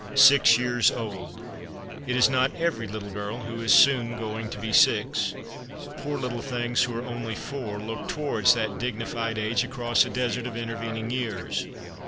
Six years old ! It is not every little girl who is soon going to be six. Poor little things who are only four look towards that dignified age across a desert of inter vening years.